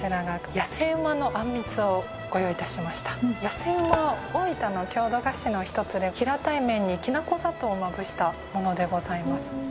やせうまは大分の郷土菓子のひとつで平たい麺にきな粉砂糖をまぶしたものでございます。